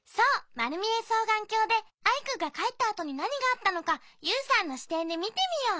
まるみえそうがんきょうでアイくんがかえったあとになにがあったのかユウさんのしてんでみてみよう。